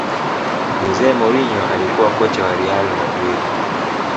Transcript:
jose mourinho alikuwa kocha wa real madridhi